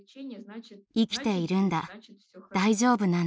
生きているんだ大丈夫なんだと。